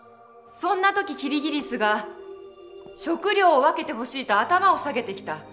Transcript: そんな時キリギリスが「食料を分けてほしい」と頭を下げてきた。